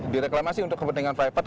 direklamasi untuk kepentingan private